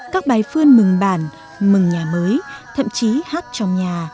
các bài phương mừng bản mừng nhà mới thậm chí hát trong nhà